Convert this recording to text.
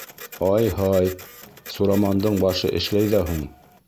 Ай-һай, Сурамандың башы эшләй ҙә һуң!